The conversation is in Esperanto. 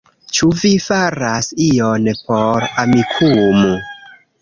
Ĉu vi faras ion por Amikumu?